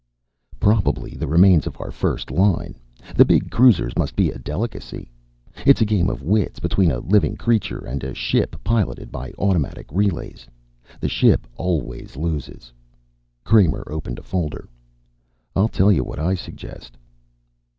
"Probably the remains of our first line. The big cruisers must be a delicacy. It's a game of wits, between a living creature and a ship piloted by automatic relays. The ship always loses." Kramer opened a folder. "I'll tell you what I suggest."